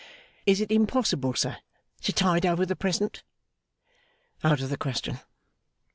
'Is it impossible, sir, to tide over the present?' 'Out of the question.